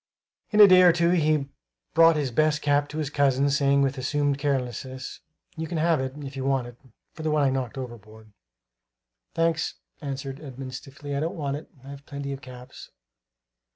In a day or two he brought his best cap to his cousin, saying with assumed carelessness: "You can have it, if you want it, for the one I knocked overboard." "Thanks," answered Edmund stiffly; "I don't want it; I've plenty of caps."